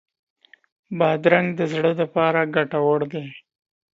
بادرنګ د زړه لپاره ګټور دی.